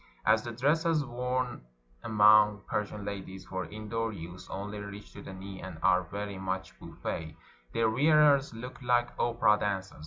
As the dresses worn among Persian ladies for indoor use only reach to the knee and are very much boujje, their wearers look like opera dancers.